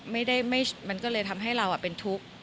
มันก็เลยทำให้เราเป็นทุกข์